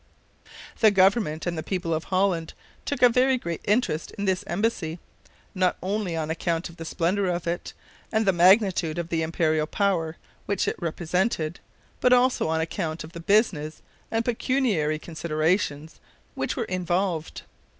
The government and the people of Holland took a very great interest in this embassy, not only on account of the splendor of it, and the magnitude of the imperial power which it represented, but also on account of the business and pecuniary considerations which were involved.